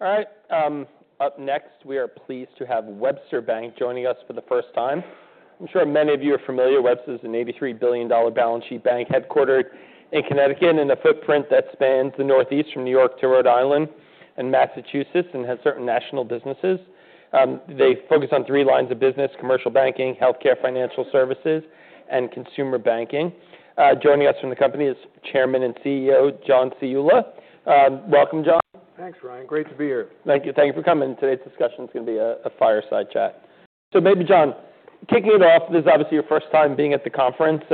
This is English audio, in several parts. All right. Up next, we are pleased to have Webster Bank joining us for the first time. I'm sure many of you are familiar. Webster's an $83 billion balance sheet bank, headquartered in Connecticut, in a footprint that spans the Northeast from New York to Rhode Island and Massachusetts, and has certain national businesses. They focus on three lines of business. Commercial Banking, Healthcare Financial Services, and Consumer Banking. Joining us from the company is Chairman and CEO John Ciulla. Welcome, John. Thanks, Ryan. Great to be here. Thank you. Thank you for coming. Today's discussion's gonna be a fireside chat, so maybe, John, kicking it off, this is obviously your first time being at the conference.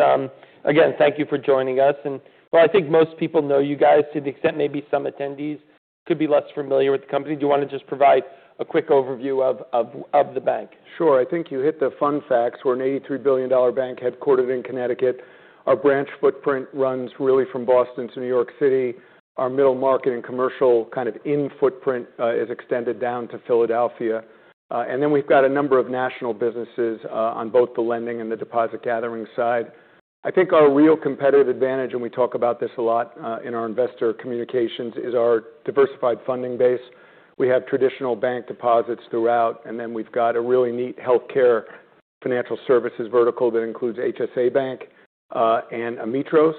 Again, thank you for joining us, and well, I think most people know you guys to the extent maybe some attendees could be less familiar with the company. Do you wanna just provide a quick overview of the bank? Sure. I think you hit the fun facts. We're an $83 billion bank, headquartered in Connecticut. Our branch footprint runs really from Boston to New York City. Our middle market and commercial kind of in-footprint is extended down to Philadelphia, and then we've got a number of national businesses, on both the lending and the deposit gathering side. I think our real competitive advantage, and we talk about this a lot, in our investor communications, is our diversified funding base. We have traditional bank deposits throughout, and then we've got a really neat healthcare financial services vertical that includes HSA Bank, and Ametros.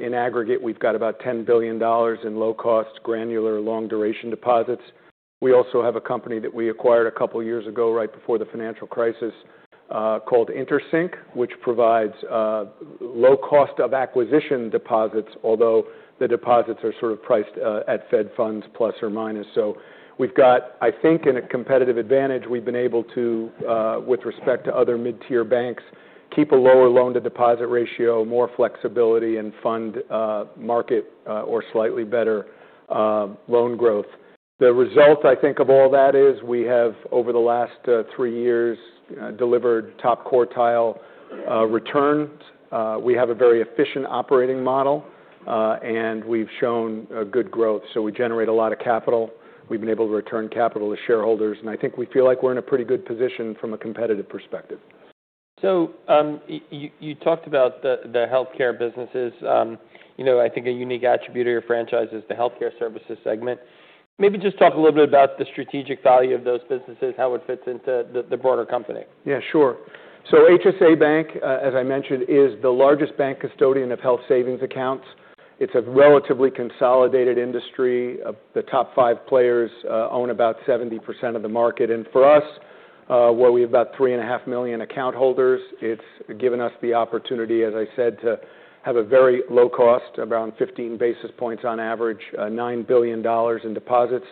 In aggregate, we've got about $10 billion in low-cost, granular, long-duration deposits. We also have a company that we acquired a couple of years ago, right before the financial crisis, called interSYNC, which provides low-cost of acquisition deposits, although the deposits are sort of priced at Fed funds plus or minus. So we've got, I think, a competitive advantage. We've been able to, with respect to other mid-tier banks, keep a lower loan-to-deposit ratio, more flexibility in funding market, or slightly better loan growth. The result, I think, of all that is we have, over the last three years, delivered top quartile returns. We have a very efficient operating model, and we've shown good growth. So we generate a lot of capital. We've been able to return capital to shareholders, and I think we feel like we're in a pretty good position from a competitive perspective. So, you talked about the healthcare businesses. You know, I think a unique attribute of your franchise is the Healthcare Services segment. Maybe just talk a little bit about the strategic value of those businesses, how it fits into the broader company. Yeah, sure. So HSA Bank, as I mentioned, is the largest bank custodian of health savings accounts. It's a relatively consolidated industry. The top five players own about 70% of the market, and for us, where we have about 3.5 million account holders, it's given us the opportunity, as I said, to have a very low cost, around 15 basis points on average, $9 billion in deposits,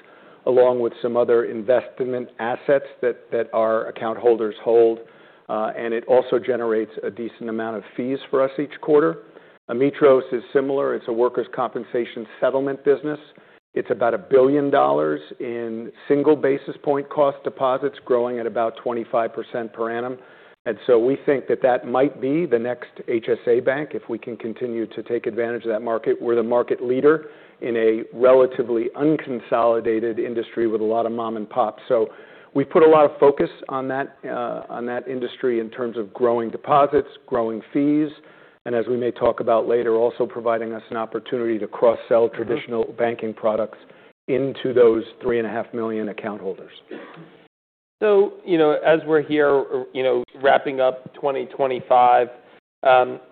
along with some other investment assets that our account holders hold, and it also generates a decent amount of fees for us each quarter. Ametros is similar. It's a workers' compensation settlement business. It's about $1 billion in single basis point cost deposits, growing at about 25% per annum, and so we think that might be the next HSA Bank, if we can continue to take advantage of that market. We're the market leader in a relatively unconsolidated industry with a lot of mom-and-pop. So we've put a lot of focus on that, on that industry in terms of growing deposits, growing fees, and, as we may talk about later, also providing us an opportunity to cross-sell traditional banking products into those 3.5 million account holders. You know, as we're here, you know, wrapping up 2025,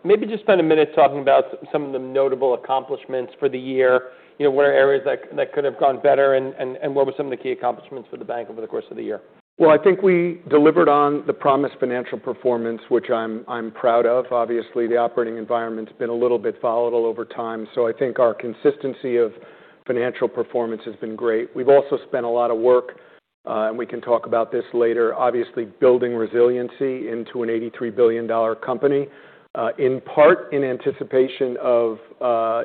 maybe just spend a minute talking about some of the notable accomplishments for the year. You know, what are areas that could have gone better, and what were some of the key accomplishments for the bank over the course of the year? Well, I think we delivered on the promised financial performance, which I'm proud of. Obviously, the operating environment's been a little bit volatile over time. So I think our consistency of financial performance has been great. We've also spent a lot of work, and we can talk about this later, obviously, building resiliency into an $83 billion company, in part in anticipation of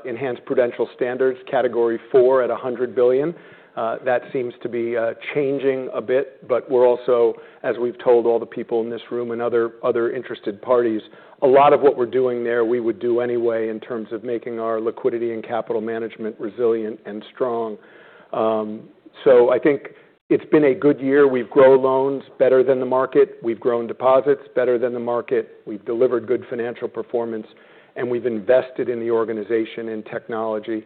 enhanced prudential standards, Category IV at $100 billion. That seems to be changing a bit, but we're also, as we've told all the people in this room and other interested parties, a lot of what we're doing there we would do anyway in terms of making our liquidity and capital management resilient and strong. So I think it's been a good year. We've grown loans better than the market. We've grown deposits better than the market. We've delivered good financial performance, and we've invested in the organization and technology.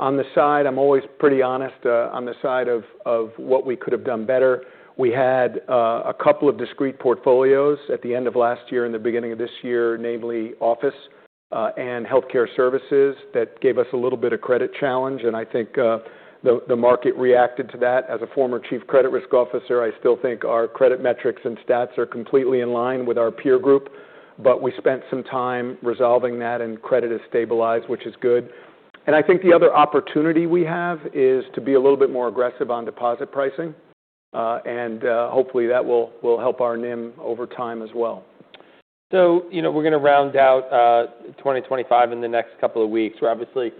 On the side, I'm always pretty honest, on the side of what we could have done better. We had a couple of discrete portfolios at the end of last year and the beginning of this year, namely office and healthcare services that gave us a little bit of credit challenge. And I think the market reacted to that. As a former Chief Credit Risk Officer, I still think our credit metrics and stats are completely in line with our peer group, but we spent some time resolving that, and credit has stabilized, which is good. And I think the other opportunity we have is to be a little bit more aggressive on deposit pricing, and hopefully that will help our NIM over time as well. You know, we're gonna round out 2025 in the next couple of weeks. We're obviously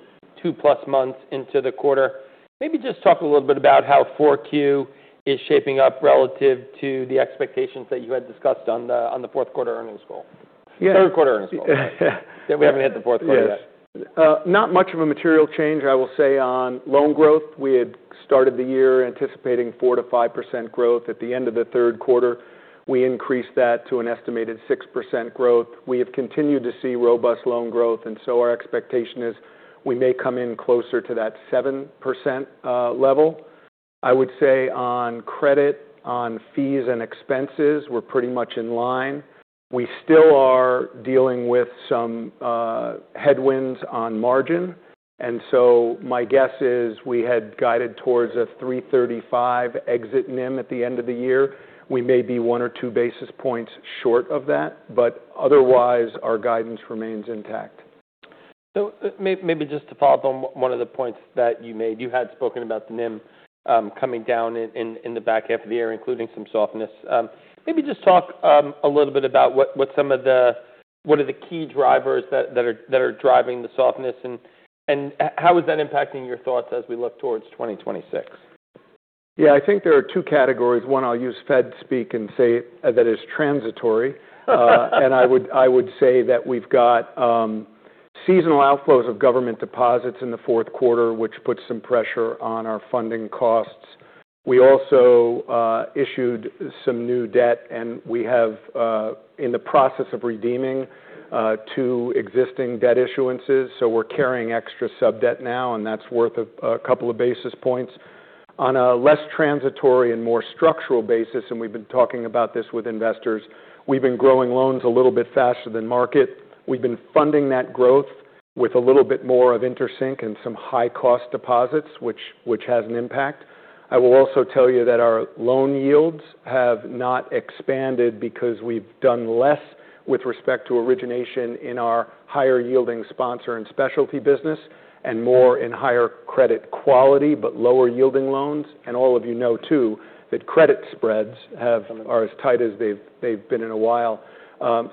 two-plus months into the quarter. Maybe just talk a little bit about how 4Q is shaping up relative to the expectations that you had discussed on the fourth quarter earnings call. Yeah. Third quarter earnings call. Yeah. That we haven't hit the fourth quarter yet. Not much of a material change, I will say, on loan growth. We had started the year anticipating 4%-5% growth. At the end of the third quarter, we increased that to an estimated 6% growth. We have continued to see robust loan growth, and so our expectation is we may come in closer to that 7% level. I would say on credit, on fees and expenses, we're pretty much in line. We still are dealing with some headwinds on margin, and so my guess is we had guided towards a 335 exit NIM at the end of the year. We may be one or two basis points short of that, but otherwise, our guidance remains intact. Maybe just to follow up on one of the points that you made, you had spoken about the NIM coming down in the back half of the year, including some softness. Maybe just talk a little bit about what are some of the key drivers that are driving the softness, and how is that impacting your thoughts as we look towards 2026? Yeah, I think there are two categories. One, I'll use Fed speak and say that it's transitory, and I would say that we've got seasonal outflows of government deposits in the fourth quarter, which puts some pressure on our funding costs. We also issued some new debt, and we have in the process of redeeming two existing debt issuances. So we're carrying extra sub-debt now, and that's worth a couple of basis points. On a less transitory and more structural basis, and we've been talking about this with investors, we've been growing loans a little bit faster than market. We've been funding that growth with a little bit more of interSYNC and some high-cost deposits, which has an impact. I will also tell you that our loan yields have not expanded because we've done less with respect to origination in our higher-yielding Sponsor & Specialty business and more in higher credit quality but lower-yielding loans, and all of you know, too, that credit spreads are as tight as they've been in a while,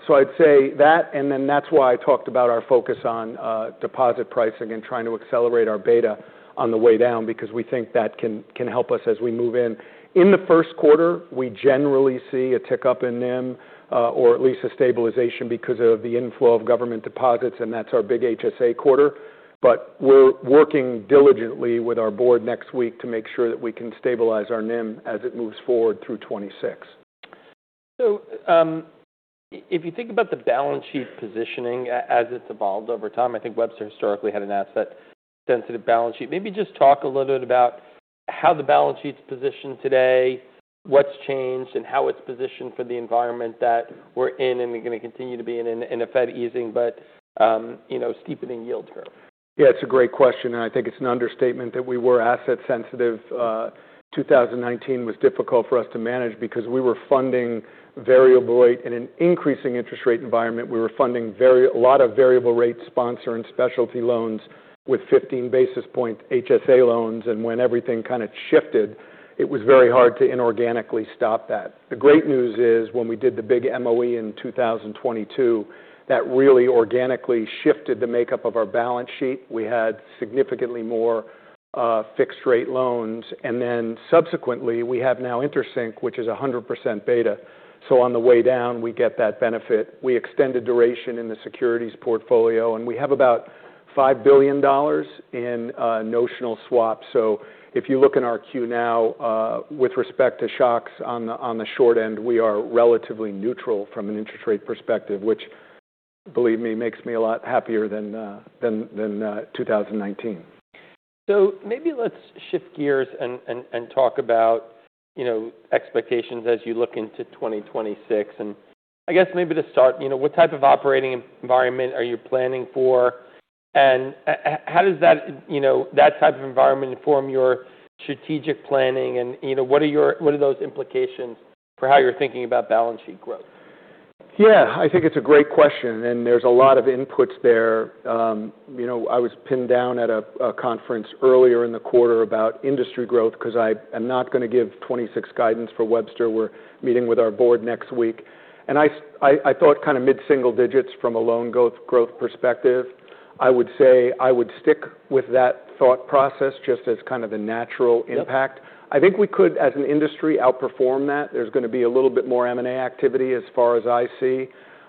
so I'd say that, and then that's why I talked about our focus on deposit pricing and trying to accelerate our beta on the way down because we think that can help us as we move in. In the first quarter, we generally see a tick up in NIM, or at least a stabilization because of the inflow of government deposits, and that's our big HSA quarter, but we're working diligently with our Board next week to make sure that we can stabilize our NIM as it moves forward through 2026. So, if you think about the balance sheet positioning as it's evolved over time, I think Webster historically had an asset-sensitive balance sheet. Maybe just talk a little bit about how the balance sheet's positioned today, what's changed, and how it's positioned for the environment that we're in and are gonna continue to be in, in a Fed easing but, you know, steepening yield curve? Yeah, it's a great question, and I think it's an understatement that we were asset-sensitive. 2019 was difficult for us to manage because we were funding variable rate in an increasing interest rate environment. We were funding very a lot of variable rate Sponsor & Specialty loans with 15 basis point HSA loans. And when everything kind of shifted, it was very hard to inorganically stop that. The great news is when we did the big MOE in 2022, that really organically shifted the makeup of our balance sheet. We had significantly more fixed-rate loans. And then subsequently, we have now interSYNC, which is 100% beta. So on the way down, we get that benefit. We extended duration in the securities portfolio, and we have about $5 billion in notional swaps. If you look in our Q now, with respect to shocks on the short end, we are relatively neutral from an interest rate perspective, which, believe me, makes me a lot happier than 2019. So maybe let's shift gears and talk about, you know, expectations as you look into 2026. I guess maybe to start, you know, what type of operating environment are you planning for? And how does that, you know, that type of environment inform your strategic planning? And, you know, what are those implications for how you're thinking about balance sheet growth? Yeah, I think it's a great question, and there's a lot of inputs there. You know, I was pinned down at a conference earlier in the quarter about industry growth 'cause I am not gonna give 2026 guidance for Webster. We're meeting with our Board next week. I thought kind of mid-single digits from a loan growth perspective. I would say I would stick with that thought process just as kind of a natural impact. I think we could, as an industry, outperform that. There's gonna be a little bit more M&A activity as far as I see.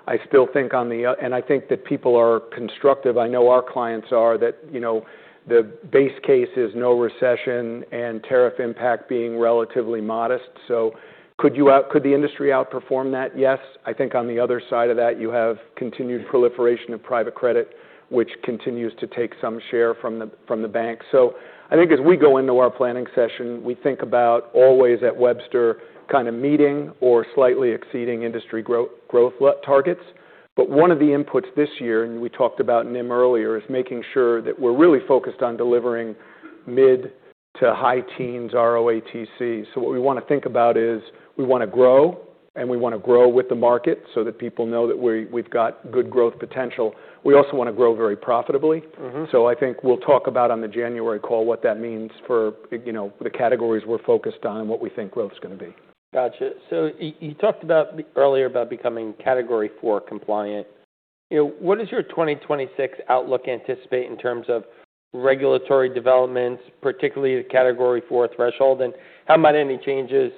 I still think, and I think that people are constructive. I know our clients are that. You know, the base case is no recession and tariff impact being relatively modest, so could the industry outperform that? Yes. I think on the other side of that, you have continued proliferation of private credit, which continues to take some share from the bank. So I think as we go into our planning session, we think about always at Webster kind of meeting or slightly exceeding industry growth targets. But one of the inputs this year, and we talked about NIM earlier, is making sure that we're really focused on delivering mid to high teens ROATC. So what we wanna think about is we wanna grow, and we wanna grow with the market so that people know that we've got good growth potential. We also wanna grow very profitably. Mm-hmm. So I think we'll talk about on the January call what that means for, you know, the categories we're focused on and what we think growth's gonna be. Gotcha. So you talked about earlier about becoming Category IV compliant. You know, what does your 2026 outlook anticipate in terms of regulatory developments, particularly the Category IV threshold, and how might any changes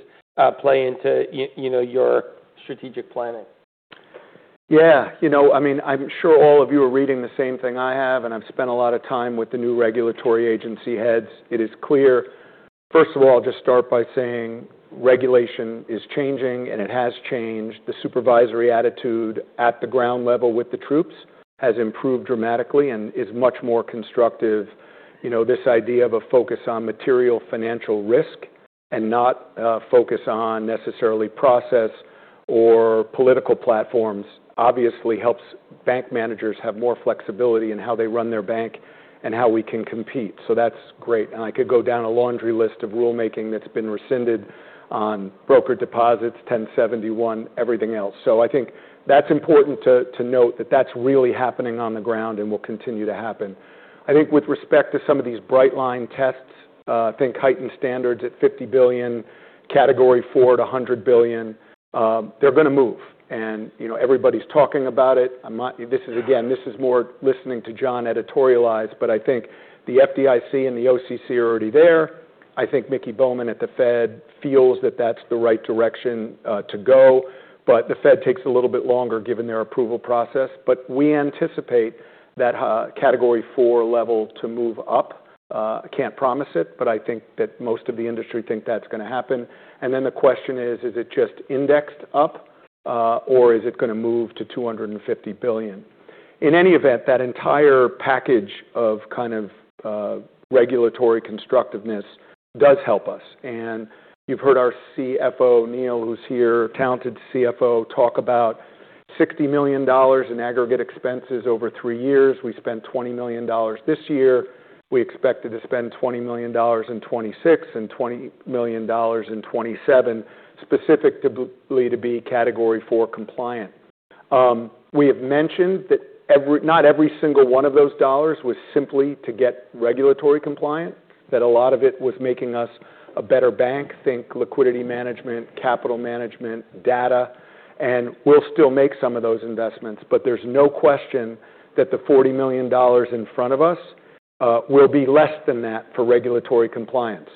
play into you know, your strategic planning? Yeah, you know, I mean, I'm sure all of you are reading the same thing I have, and I've spent a lot of time with the new regulatory agency heads. It is clear, first of all, just start by saying regulation is changing, and it has changed. The supervisory attitude at the ground level with the troops has improved dramatically and is much more constructive. You know, this idea of a focus on material financial risk and not focus on necessarily process or political platforms obviously helps bank managers have more flexibility in how they run their bank and how we can compete. So that's great. And I could go down a laundry list of rulemaking that's been rescinded on brokered deposits, 1071, everything else. So I think that's important to note that that's really happening on the ground and will continue to happen. I think with respect to some of these bright line tests, I think heightened standards at $50 billion, Category IV to $100 billion, they're gonna move, and you know, everybody's talking about it. I'm not, this is, again, this is more listening to John editorialize, but I think the FDIC and the OCC are already there. I think Miki Bowman at the Fed feels that that's the right direction to go, but the Fed takes a little bit longer given their approval process, but we anticipate that Category IV level to move up. I can't promise it, but I think that most of the industry think that's gonna happen, and then the question is, is it just indexed up, or is it gonna move to $250 billion? In any event, that entire package of kind of regulatory constructiveness does help us. And you've heard our CFO, Neal, who's here, talented CFO, talk about $60 million in aggregate expenses over three years. We spent $20 million this year. We expected to spend $20 million in 2026 and $20 million in 2027 specific to lead to be Category IV compliant. We have mentioned that every, not every single one of those dollars was simply to get regulatory compliant, that a lot of it was making us a better bank. Think liquidity management, capital management, data. And we'll still make some of those investments, but there's no question that the $40 million in front of us will be less than that for regulatory compliance.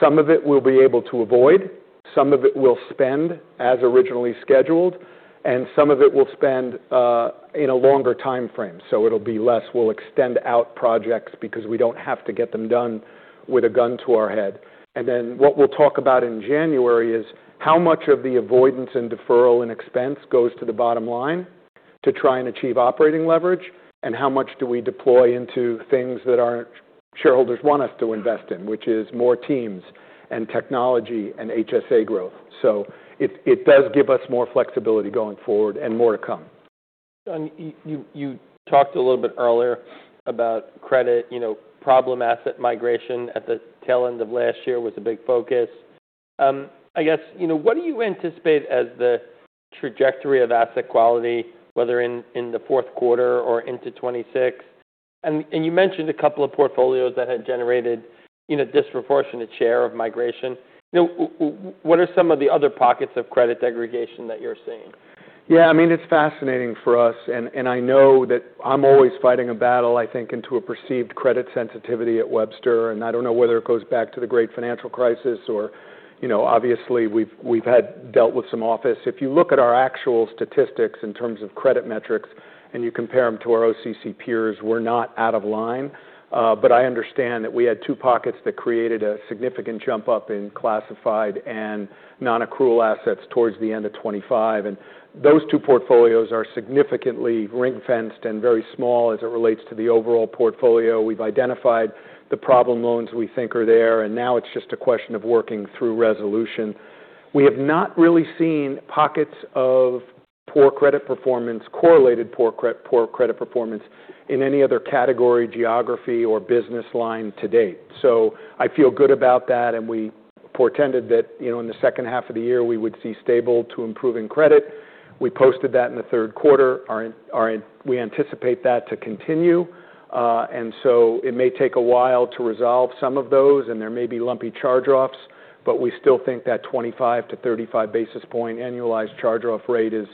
Some of it we'll be able to avoid. Some of it we'll spend as originally scheduled, and some of it we'll spend in a longer time frame, so it'll be less. We'll extend our projects because we don't have to get them done with a gun to our head, and then what we'll talk about in January is how much of the avoidance and deferral and expense goes to the bottom line to try and achieve operating leverage, and how much do we deploy into things that our shareholders want us to invest in, which is more teams and technology and HSA growth, so it does give us more flexibility going forward and more to come. John, you talked a little bit earlier about credit, you know, problem asset migration at the tail end of last year was a big focus. I guess, you know, what do you anticipate as the trajectory of asset quality, whether in the fourth quarter or into 2026? And you mentioned a couple of portfolios that had generated, you know, disproportionate share of migration. You know, what are some of the other pockets of credit degradation that you're seeing? Yeah, I mean, it's fascinating for us, and I know that I'm always fighting a battle, I think, into a perceived credit sensitivity at Webster. And I don't know whether it goes back to the great financial crisis or, you know, obviously we've had dealt with some office. If you look at our actual statistics in terms of credit metrics and you compare them to our OCC peers, we're not out of line. But I understand that we had two pockets that created a significant jump up in classified and non-accrual assets towards the end of 2025. And those two portfolios are significantly ring-fenced and very small as it relates to the overall portfolio. We've identified the problem loans we think are there, and now it's just a question of working through resolution. We have not really seen pockets of poor credit performance, correlated poor credit performance in any other category, geography, or business line to date. So I feel good about that, and we portended that, you know, in the second half of the year, we would see stable to improving credit. We posted that in the third quarter. We anticipate that to continue, and so it may take a while to resolve some of those, and there may be lumpy charge-offs, but we still think that 25-35 basis points annualized charge-off rate is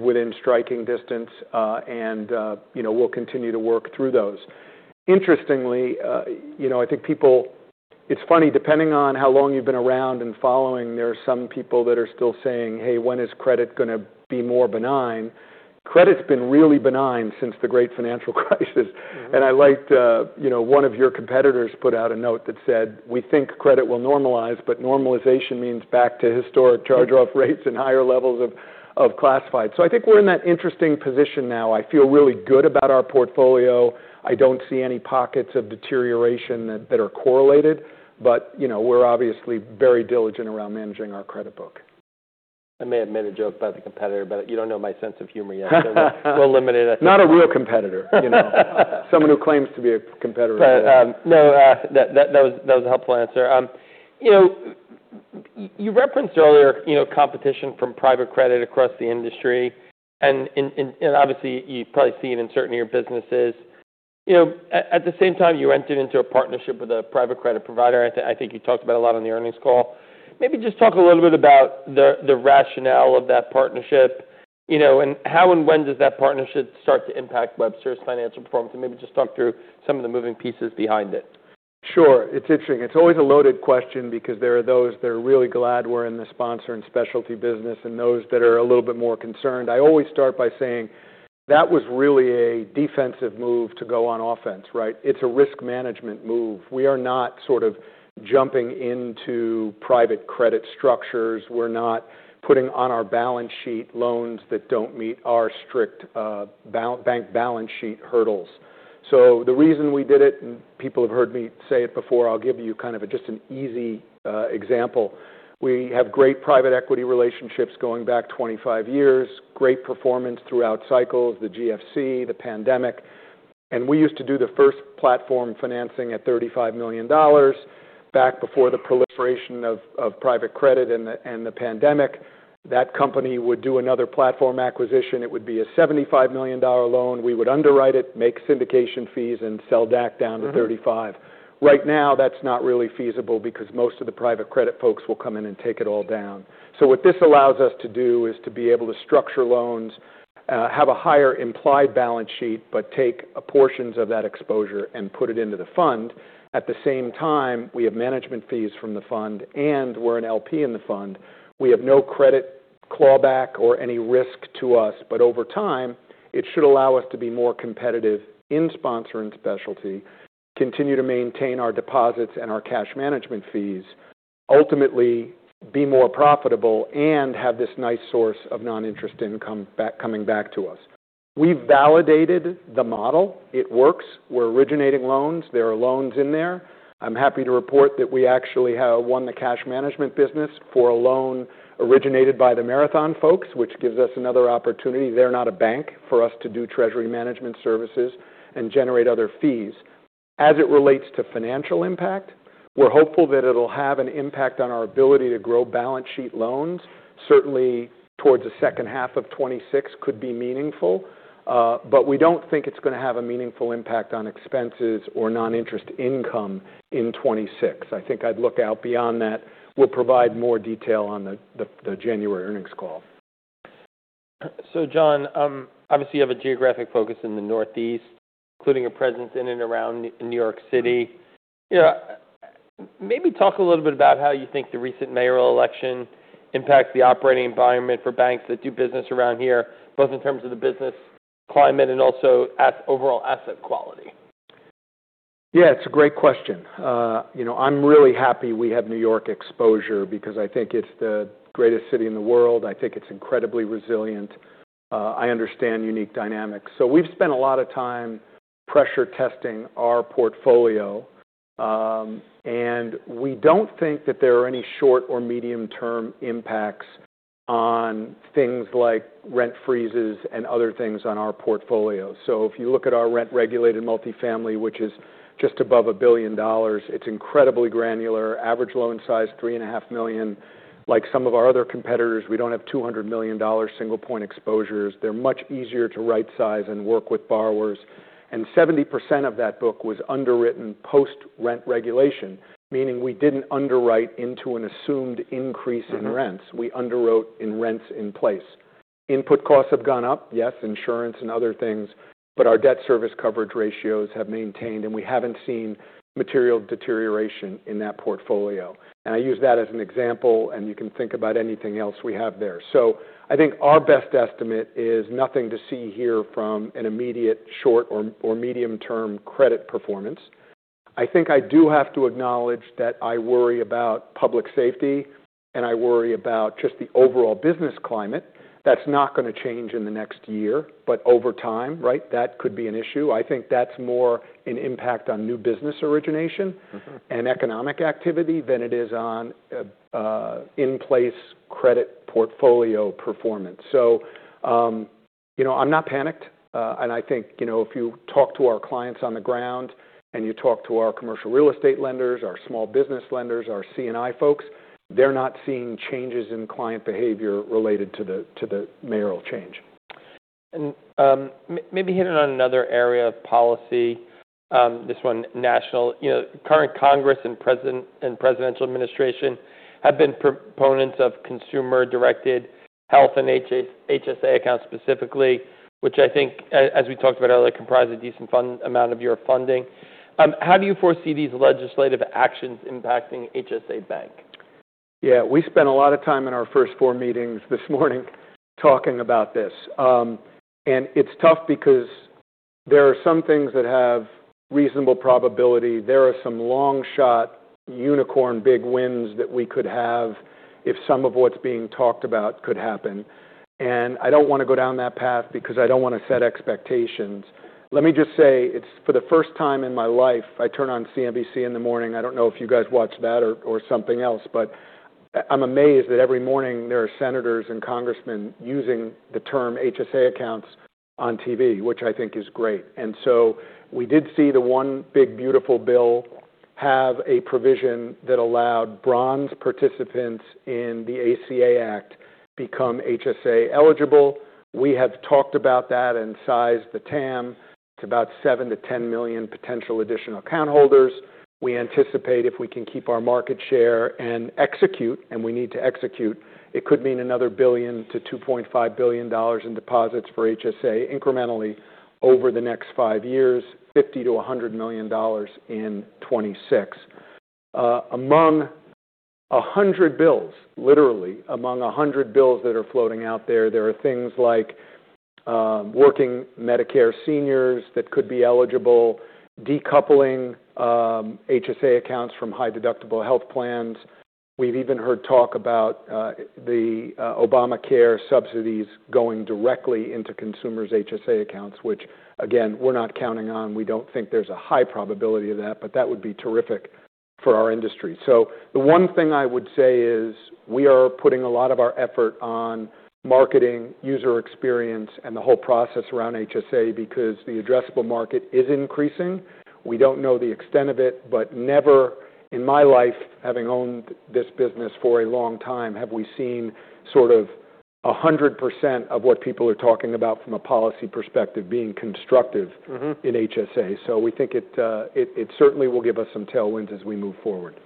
within striking distance, and, you know, we'll continue to work through those. Interestingly, you know, I think people, it's funny, depending on how long you've been around and following, there are some people that are still saying, "Hey, when is credit gonna be more benign?" Credit's been really benign since the great financial crisis. And I liked, you know, one of your competitors put out a note that said, "We think credit will normalize, but normalization means back to historic charge-off rates and higher levels of classified." So I think we're in that interesting position now. I feel really good about our portfolio. I don't see any pockets of deterioration that are correlated, but, you know, we're obviously very diligent around managing our credit book. I may have made a joke about the competitor, but you don't know my sense of humor yet. So we'll limit it. Not a real competitor, you know. Someone who claims to be a competitor. But no, that was a helpful answer. You know, you referenced earlier, you know, competition from private credit across the industry, and in and obviously you probably see it in certain of your businesses. You know, at the same time, you entered into a partnership with a private credit provider. I think you talked about a lot on the earnings call. Maybe just talk a little bit about the rationale of that partnership, you know, and how and when does that partnership start to impact Webster's financial performance? And maybe just talk through some of the moving pieces behind it. Sure. It's interesting. It's always a loaded question because there are those that are really glad we're in the Sponsor & Specialty business and those that are a little bit more concerned. I always start by saying that was really a defensive move to go on offense, right? It's a risk management move. We are not sort of jumping into private credit structures. We're not putting on our balance sheet loans that don't meet our strict bank balance sheet hurdles. So the reason we did it, and people have heard me say it before, I'll give you kind of just an easy example. We have great private equity relationships going back 25 years, great performance throughout cycles, the GFC, the pandemic. And we used to do the first platform financing at $35 million back before the proliferation of private credit and the pandemic. That company would do another platform acquisition. It would be a $75 million loan. We would underwrite it, make syndication fees, and sell that down to $35. Right now, that's not really feasible because most of the private credit folks will come in and take it all down. So what this allows us to do is to be able to structure loans, have a higher implied balance sheet, but take portions of that exposure and put it into the fund. At the same time, we have management fees from the fund, and we're an LP in the fund. We have no credit clawback or any risk to us, but over time, it should allow us to be more competitive in Sponsor & Specialty, continue to maintain our deposits and our cash management fees, ultimately be more profitable, and have this nice source of non-interest income back coming back to us. We've validated the model. It works. We're originating loans. There are loans in there. I'm happy to report that we actually have won the cash management business for a loan originated by the Marathon folks, which gives us another opportunity. They're not a bank for us to do treasury management services and generate other fees. As it relates to financial impact, we're hopeful that it'll have an impact on our ability to grow balance sheet loans. Certainly, toward the second half of 2026, could be meaningful. But we don't think it's gonna have a meaningful impact on expenses or non-interest income in 2026. I think I'd look out beyond that. We'll provide more detail on the January earnings call. So, John, obviously you have a geographic focus in the Northeast, including a presence in and around New York City. You know, maybe talk a little bit about how you think the recent mayoral election impacts the operating environment for banks that do business around here, both in terms of the business climate and also overall asset quality. Yeah, it's a great question. You know, I'm really happy we have New York exposure because I think it's the greatest city in the world. I think it's incredibly resilient. I understand unique dynamics. So we've spent a lot of time pressure testing our portfolio, and we don't think that there are any short or medium-term impacts on things like rent freezes and other things on our portfolio. So if you look at our rent-regulated multifamily, which is just above $1 billion, it's incredibly granular. Average loan size is $3.5 million. Like some of our other competitors, we don't have $200 million single-point exposures. They're much easier to right-size and work with borrowers. And 70% of that book was underwritten post-rent regulation, meaning we didn't underwrite into an assumed increase in rents. We underwrote in rents in place. Input costs have gone up, yes, insurance and other things, but our debt service coverage ratios have maintained, and we haven't seen material deterioration in that portfolio. And I use that as an example, and you can think about anything else we have there. So I think our best estimate is nothing to see here from an immediate short or medium-term credit performance. I think I do have to acknowledge that I worry about public safety, and I worry about just the overall business climate. That's not gonna change in the next year, but over time, right? That could be an issue. I think that's more an impact on new business origination and economic activity than it is on, in-place credit portfolio performance. So, you know, I'm not panicked. And I think, you know, if you talk to our clients on the ground and you talk to our commercial real estate lenders, our small business lenders, our C&I folks, they're not seeing changes in client behavior related to the mayoral change. Maybe hitting on another area of policy, this one national, you know, current Congress and President and Presidential Administration have been proponents of consumer-directed health and HSA accounts specifically, which I think, as we talked about earlier, comprise a decent fund amount of your funding. How do you foresee these legislative actions impacting HSA Bank? Yeah, we spent a lot of time in our first four meetings this morning talking about this, and it's tough because there are some things that have reasonable probability. There are some long-shot unicorn big wins that we could have if some of what's being talked about could happen, and I don't wanna go down that path because I don't wanna set expectations. Let me just say, it's for the first time in my life, I turn on CNBC in the morning. I don't know if you guys watch that or, or something else, but I'm amazed that every morning there are senators and congressmen using the term HSA accounts on TV, which I think is great, and so we did see the one big beautiful bill have a provision that allowed Bronze participants in the ACA Act to become HSA eligible. We have talked about that and sized the TAM. It's about seven-10 million potential additional account holders. We anticipate if we can keep our market share and execute, and we need to execute, it could mean another $1 billion-$2.5 billion in deposits for HSA incrementally over the next five years, $50-$100 million in 2026. Among a hundred bills, literally among a hundred bills that are floating out there, there are things like, working Medicare seniors that could be eligible, decoupling, HSA accounts from high-deductible health plans. We've even heard talk about, the, Obamacare subsidies going directly into consumers' HSA accounts, which, again, we're not counting on. We don't think there's a high probability of that, but that would be terrific for our industry. So the one thing I would say is we are putting a lot of our effort on marketing, user experience, and the whole process around HSA because the addressable market is increasing. We don't know the extent of it, but never in my life, having owned this business for a long time, have we seen sort of 100% of what people are talking about from a policy perspective being constructive in HSA, so we think it certainly will give us some tailwinds as we move forward.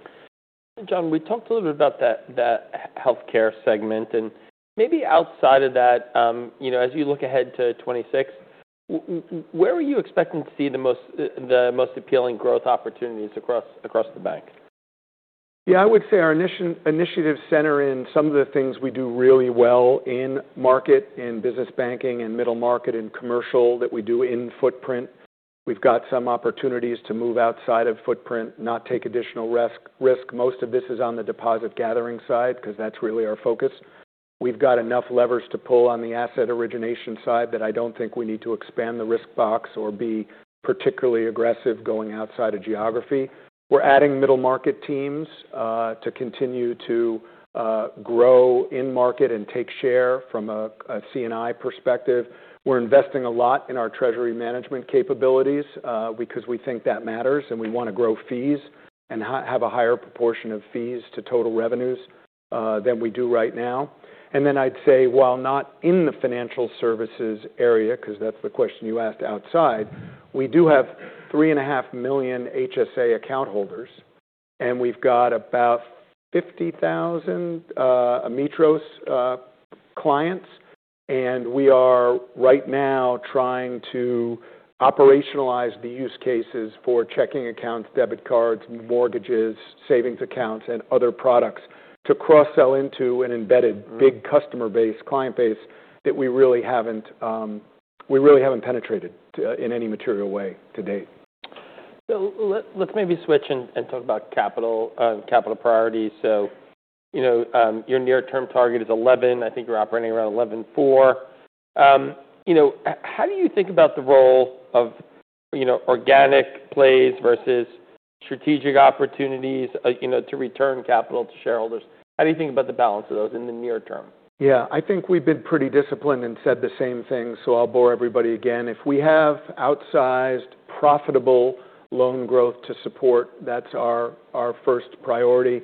John, we talked a little bit about that healthcare segment, and maybe outside of that, you know, as you look ahead to 2026, where are you expecting to see the most appealing growth opportunities across the bank? Yeah, I would say our initiative center in some of the things we do really well in market and business banking and middle market and commercial that we do in footprint. We've got some opportunities to move outside of footprint, not to take additional risk. Most of this is on the deposit gathering side 'cause that's really our focus. We've got enough levers to pull on the asset origination side that I don't think we need to expand the risk box or be particularly aggressive going outside of geography. We're adding middle market teams to continue to grow in market and take share from a C&I perspective. We're investing a lot in our treasury management capabilities, because we think that matters, and we wanna grow fees and have a higher proportion of fees to total revenues than we do right now. And then I'd say, while not in the financial services area, 'cause that's the question you asked outside, we do have 3.5 million HSA account holders, and we've got about 50,000 Ametros clients. And we are right now trying to operationalize the use cases for checking accounts, debit cards, mortgages, savings accounts, and other products to cross-sell into an embedded big customer base, client base that we really haven't, we really haven't penetrated to in any material way to date. Let's maybe switch and talk about capital priorities. You know, your near-term target is 11. I think you're operating around 11.4. You know, how do you think about the role of, you know, organic plays versus strategic opportunities, you know, to return capital to shareholders? How do you think about the balance of those in the near term? Yeah, I think we've been pretty disciplined and said the same thing. So I'll bore everybody again. If we have outsized profitable loan growth to support, that's our first priority.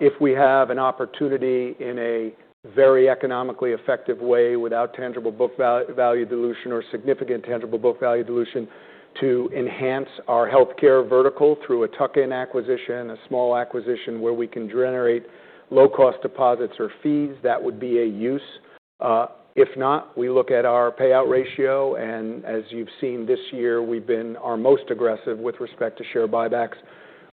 If we have an opportunity in a very economically effective way without tangible book value dilution or significant tangible book value dilution to enhance our healthcare vertical through a tuck-in acquisition, a small acquisition where we can generate low-cost deposits or fees, that would be a use. If not, we look at our payout ratio, and as you've seen this year, we've been our most aggressive with respect to share buybacks.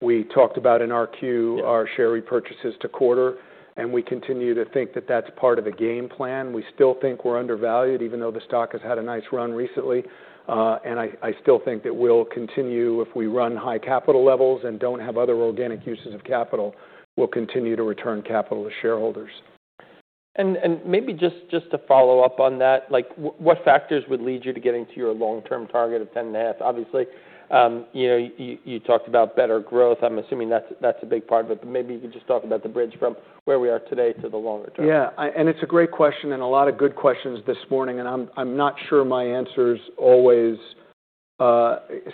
We talked about in our Q our share repurchases this quarter, and we continue to think that that's part of the game plan. We still think we're undervalued, even though the stock has had a nice run recently. And I still think that we'll continue, if we run high capital levels and don't have other organic uses of capital, we'll continue to return capital to shareholders. Maybe just to follow up on that, like, what factors would lead you to getting to your long-term target of 10 and a half? Obviously, you know, you talked about better growth. I'm assuming that's a big part of it, but maybe you could just talk about the bridge from where we are today to the longer term. Yeah, and it's a great question and a lot of good questions this morning, and I'm not sure my answers always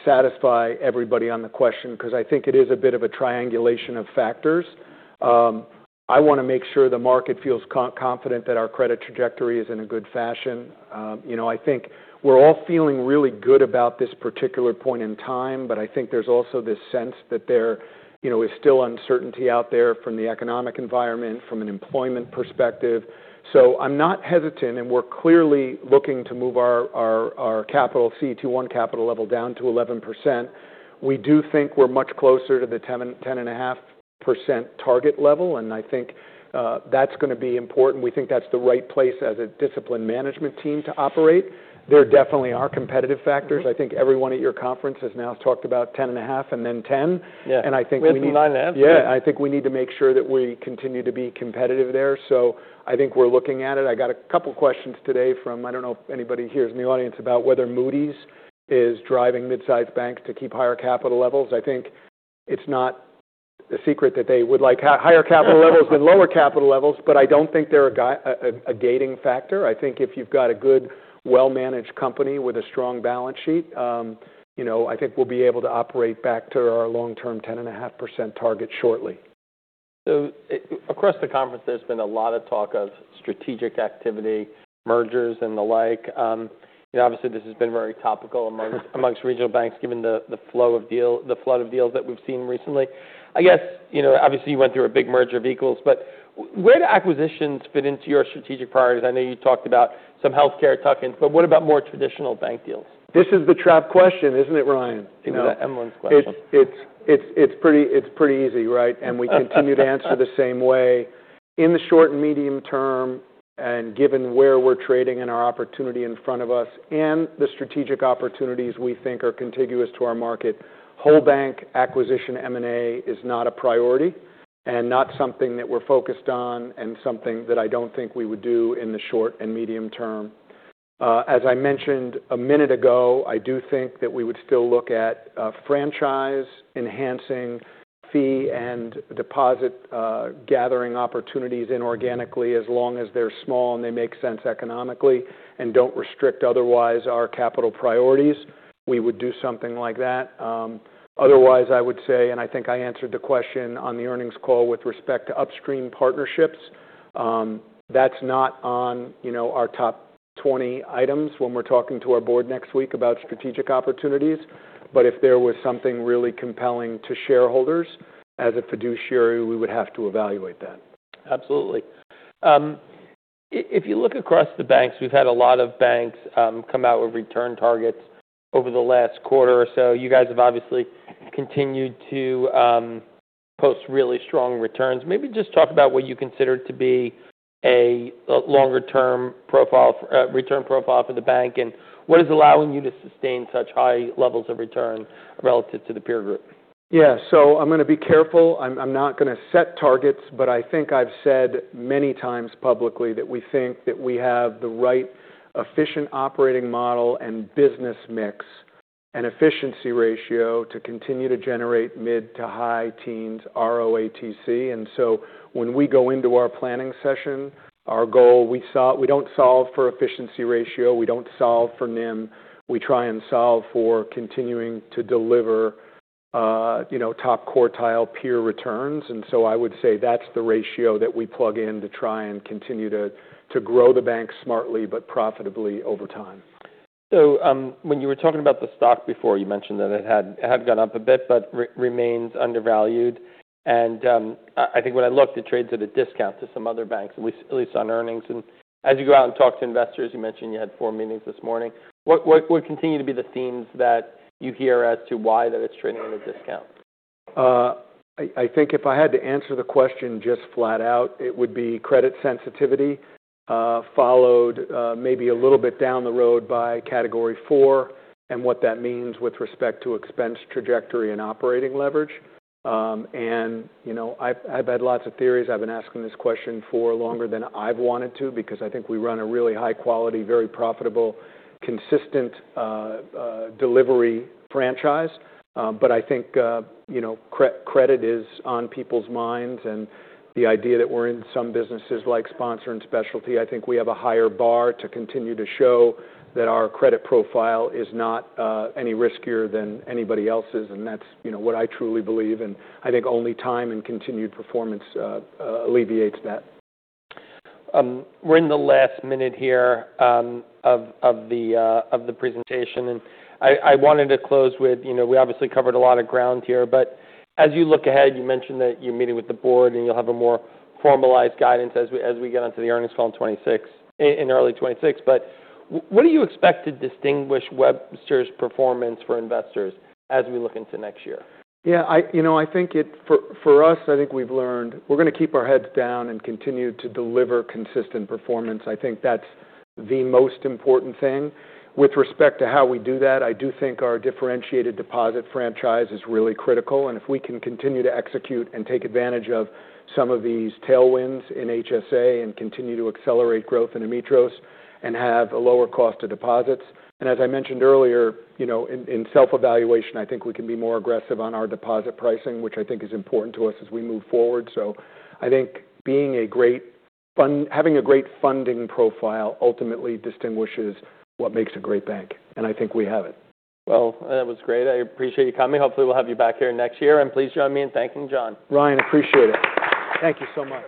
satisfy everybody on the question 'cause I think it is a bit of a triangulation of factors. I wanna make sure the market feels confident that our credit trajectory is in a good fashion. You know, I think we're all feeling really good about this particular point in time, but I think there's also this sense that there you know is still uncertainty out there from the economic environment, from an employment perspective. So I'm not hesitant, and we're clearly looking to move our C21 capital level down to 11%. We do think we're much closer to the 10%-10.5% target level, and I think that's gonna be important. We think that's the right place as a disciplined management team to operate. There definitely are competitive factors. I think everyone at your conference has now talked about 10.5 and then 10. Yeah. I think we need. We've been lining up. Yeah, I think we need to make sure that we continue to be competitive there, so I think we're looking at it. I got a couple questions today from, I don't know if anybody here's in the audience about whether Moody's is driving midsize banks to keep higher capital levels. I think it's not a secret that they would like higher capital levels than lower capital levels, but I don't think they're a gating factor. I think if you've got a good, well-managed company with a strong balance sheet, you know, I think we'll be able to operate back to our long-term 10.5% target shortly. So across the conference, there's been a lot of talk of strategic activity, mergers and the like. You know, obviously this has been very topical amongst regional banks given the flood of deals that we've seen recently. I guess, you know, obviously you went through a big merger of equals, but where do acquisitions fit into your strategic priorities? I know you talked about some healthcare tuck-ins, but what about more traditional bank deals? This is the trap question, isn't it, Ryan? You know. You know, that Emlen's question. It's pretty easy, right? And we continue to answer the same way in the short and medium term, and given where we're trading and our opportunity in front of us and the strategic opportunities we think are contiguous to our market, whole bank acquisition M&A is not a priority and not something that we're focused on and something that I don't think we would do in the short and medium term. As I mentioned a minute ago, I do think that we would still look at franchise-enhancing fee- and deposit-gathering opportunities inorganically as long as they're small and they make sense economically and don't restrict otherwise our capital priorities. We would do something like that. Otherwise, I would say, and I think I answered the question on the earnings call with respect to upstream partnerships, that's not on, you know, our top 20 items when we're talking to our Board next week about strategic opportunities. But if there was something really compelling to shareholders as a fiduciary, we would have to evaluate that. Absolutely. If you look across the banks, we've had a lot of banks come out with return targets over the last quarter or so. You guys have obviously continued to post really strong returns. Maybe just talk about what you consider to be a longer-term profile of return profile for the bank and what is allowing you to sustain such high levels of return relative to the peer group. Yeah, so I'm gonna be careful. I'm not gonna set targets, but I think I've said many times publicly that we think that we have the right efficient operating model and business mix and efficiency ratio to continue to generate mid to high teens ROATC. And so when we go into our planning session, our goal, we don't solve for efficiency ratio. We don't solve for NIM. We try and solve for continuing to deliver, you know, top quartile peer returns. I would say that's the ratio that we plug in to try and continue to grow the bank smartly but profitably over time. When you were talking about the stock before, you mentioned that it had gone up a bit but remains undervalued. I think when I looked, it trades at a discount to some other banks, at least on earnings. As you go out and talk to investors, you mentioned you had four meetings this morning. What continue to be the themes that you hear as to why that it's trading at a discount? I think if I had to answer the question just flat out, it would be credit sensitivity, followed maybe a little bit down the road by Category IV and what that means with respect to expense trajectory and operating leverage, and you know, I've had lots of theories. I've been asking this question for longer than I've wanted to because I think we run a really high-quality, very profitable, consistent delivery franchise, but I think, you know, credit is on people's minds, and the idea that we're in some businesses like Sponsor & Specialty, I think we have a higher bar to continue to show that our credit profile is not any riskier than anybody else's. That's, you know, what I truly believe, and I think only time and continued performance alleviates that. We're in the last minute here of the presentation. And I wanted to close with, you know, we obviously covered a lot of ground here, but as you look ahead, you mentioned that you're meeting with the Board and you'll have a more formalized guidance as we get onto the earnings call in 2026, in early 2026. But what do you expect to distinguish Webster's performance for investors as we look into next year? Yeah, you know, I think for us, I think we've learned we're gonna keep our heads down and continue to deliver consistent performance. I think that's the most important thing. With respect to how we do that, I do think our differentiated deposit franchise is really critical, and if we can continue to execute and take advantage of some of these tailwinds in HSA and continue to accelerate growth in Ametros and have a lower cost of deposits, and as I mentioned earlier, you know, in self-evaluation, I think we can be more aggressive on our deposit pricing, which I think is important to us as we move forward, so I think being a great fund, having a great funding profile ultimately distinguishes what makes a great bank, and I think we have it. That was great. I appreciate you coming. Hopefully, we'll have you back here next year. Please join me in thanking John. Ryan, appreciate it. Thank you so much.